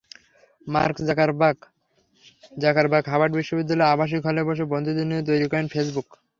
Mark Zuckerberg Mark Zuckerberg Harvard বিশ্ববিদ্যালয়ের আবাসিক হলে বসে বন্ধুদের নিয়ে তৈরি করেন ফেসবুক।